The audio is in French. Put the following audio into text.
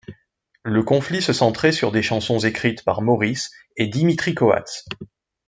Le conflit se centrait sur des chansons écrites par Morris et Dimitri Coats.